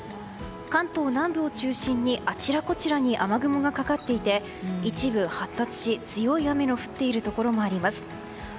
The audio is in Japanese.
関東南部を中心にあちらこちらに雨雲がかかっていて一部発達し、強い雨の降っているところもあります。